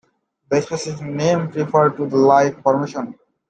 The specific name refers to the Ilike Formation.